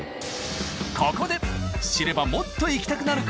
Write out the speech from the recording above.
ここで知ればもっと行きたくなる！